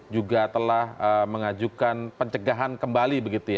juga telah mengajukan pencegahan kembali